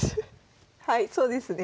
はいそうですね。